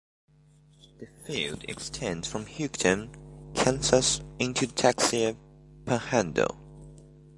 The field extends from Hugoton, Kansas into the Texas Panhandle.